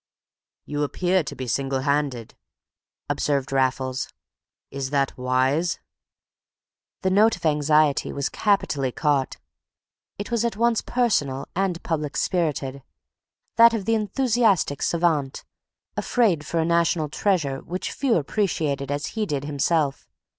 "You appear to be single handed," observed Raffles. "Is that wise?" The note of anxiety was capitally caught; it was at once personal and public spirited, that of the enthusiastic savant, afraid for a national treasure which few appreciated as he did himself.